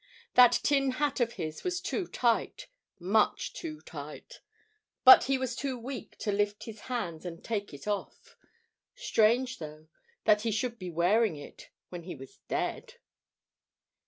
That tin hat of his was too tight much too tight. But he was too weak to lift his hands and take it off. Strange, though, that he should be wearing it when he was dead!